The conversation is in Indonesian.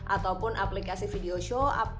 ataupun aplikasi video show